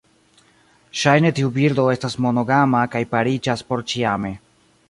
Ŝajne tiu birdo estas monogama kaj pariĝas porĉiame.